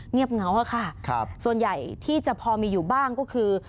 เงียบเหงาค่ะส่วนใหญ่ที่จะพอมีอยู่บ้างก็คือ